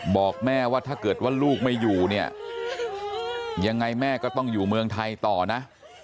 บอกแม่ว่าถ้าเกิดว่าลูกไม่อยู่เนี่ยยังไงแม่ก็ต้องอยู่เมืองไทยต่อนะ